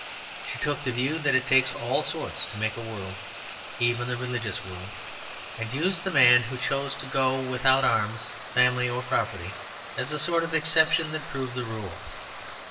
She took the view that it takes all sorts to make a world, even the religious world; and used the man who chose to go without arms, family, or property as a sort of exception that proved the rule.